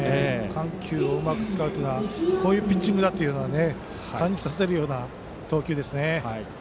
緩急をうまく使うというのはこういうピッチングだというのを感じさせるような投球ですね。